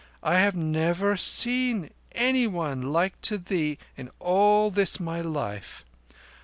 "I have never seen anyone like to thee in all this my life.